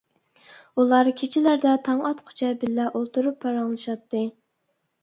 ئۇلار كېچىلەردە تاڭ ئاتقۇچە بىللە ئولتۇرۇپ پاراڭلىشاتتى.